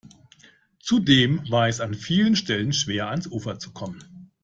Zudem war es an vielen Stellen schwer, ans Ufer zu kommen.